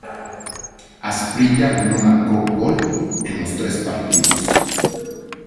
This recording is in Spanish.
Asprilla no marcó gol en los tres partidos.